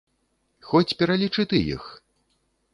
Хоць пералічы ты іх.